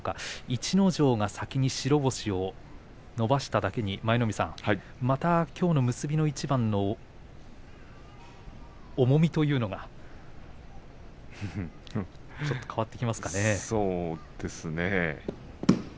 逸ノ城が先に白星を伸ばしただけに舞の海さん、またきょうの結びの一番の重みというのはそうですね。